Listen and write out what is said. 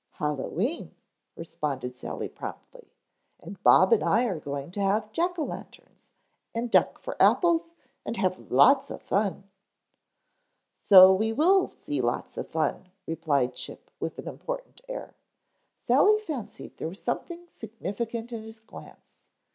"Hallowe'en," responded Sally promptly. "And Bob and I are going to have jack o' lanterns, and duck for apples and have lots of fun." "So will we see lots of fun," replied Chip with an important air. Sally fancied there was something significant in his glance.